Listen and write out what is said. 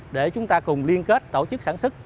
để chúng ta cùng liên kết tổ chức sản xuất